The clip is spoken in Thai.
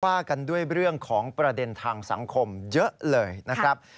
ว่ากันด้วยเรื่องของประเด็นทางสังคมเยอะเลยนะครับ